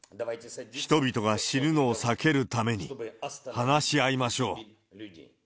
人々が死ぬのを避けるために、話し合いましょう。